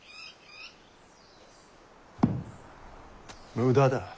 無駄だ。